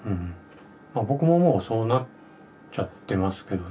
僕ももうそうなっちゃってますけどね